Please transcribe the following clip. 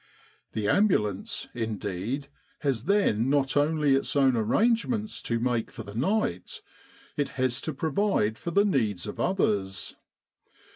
The ambulance, indeed, has then not only its own arrangements to make for the night it has to provide for the needs of others.